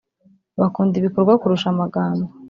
bakunda ibikorwa kurusha amagambo